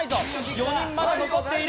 ４人全く残っている。